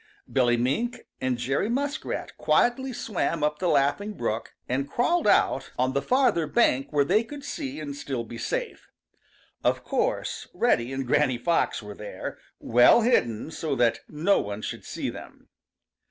Billy Mink and Jerry Muskrat quietly swam up the Laughing Brook and crawled out on the farther bank where they could see and still be safe. Of course Reddy and Granny Fox were there, well hidden so that no one should see them.